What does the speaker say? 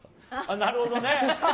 なるほどね。